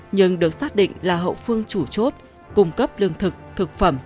nhưng được xác định là hậu phương chủ chốt cung cấp lương thực thực phẩm